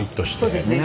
そうですね